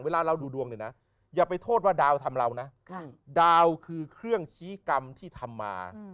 เวลาเราดูดวงเนี่ยนะอย่าไปโทษว่าดาวทำเรานะดาวคือเครื่องชี้กรรมที่ทำมา